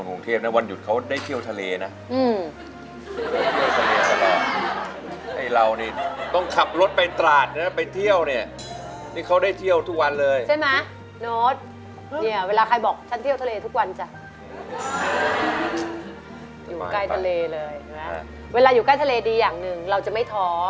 เวลาอยู่ใกล้ทะเลดีอย่างหนึ่งเราจะไม่ท้อ